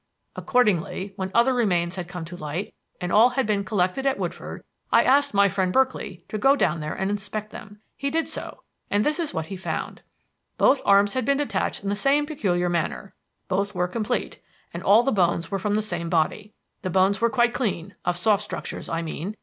Accordingly, when other remains had come to light and all had been collected at Woodford, I asked my friend Berkeley to go down there and inspect them. He did so, and this is what he found: "Both arms had been detached in the same peculiar manner; both were complete, and all the bones were from the same body. The bones were quite clean of soft structures, I mean.